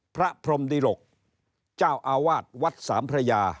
พระพรมดิหลกเจ้าอาวาสวัดสามพระยา